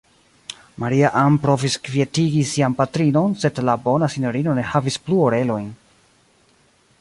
Maria-Ann provis kvietigi sian patrinon, sed la bona sinjorino ne havis plu orelojn.